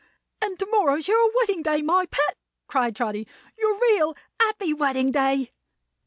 "And to morrow's your wedding day, my pet!" cried Trotty. "Your real, happy wedding day!"